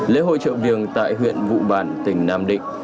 lễ hội trợ viền tại huyện vũ bản tỉnh nam định